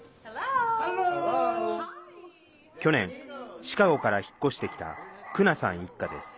去年、シカゴから引っ越してきたクナさん一家です。